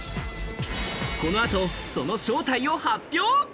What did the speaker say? この後、その正体を発表。